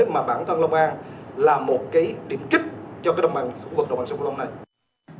mà bản thân long an là một điểm kích cho đồng bằng sông long này